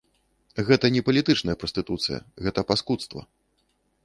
Гэта не палітычная прастытуцыя, гэта паскудства.